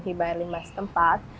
hiba air limbah setempat